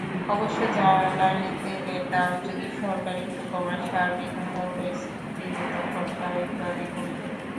অবশ্য জ্বালানি তেলের দাম যদি সরকার একটু কমায়, সার্বিক মূল্যস্ফীতি তখন স্বাভাবিকভাবেই কমবে।